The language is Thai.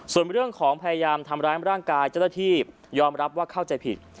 ส่วนเรื่องของพยายามทำร้ายร่างกายเจ้าหน้าที่ยอมรับว่าเข้าใจผิด